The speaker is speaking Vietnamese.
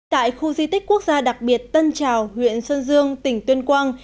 tại khu di tích quốc gia đặc biệt tân trào huyện sơn dương tỉnh tuyên quang